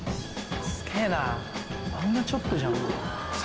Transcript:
すげぇなあんなちょっとじゃんもう。